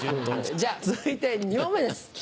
じゃあ続いて２問目です。